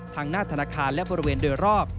หน้าธนาคารและบริเวณโดยรอบ